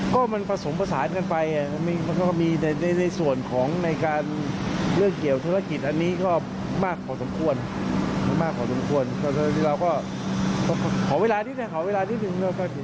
ก็มันผสมผสานกันไปมันก็มีแต่ในส่วนของในการเรื่องเกี่ยวธุรกิจอันนี้ก็มากพอสมควรมากพอสมควรแต่เราก็ขอเวลานิดนึงขอเวลานิดนึง